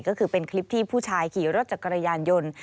ก็คือเป็นคลิปที่ผู้ชายขี่รถจักรยานยนต์